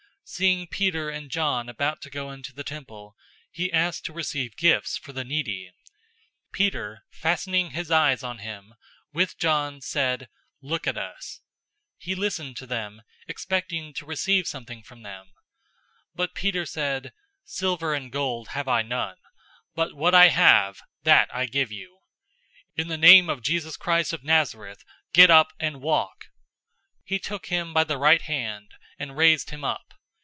003:003 Seeing Peter and John about to go into the temple, he asked to receive gifts for the needy. 003:004 Peter, fastening his eyes on him, with John, said, "Look at us." 003:005 He listened to them, expecting to receive something from them. 003:006 But Peter said, "Silver and gold have I none, but what I have, that I give you. In the name of Jesus Christ of Nazareth, get up and walk!" 003:007 He took him by the right hand, and raised him up.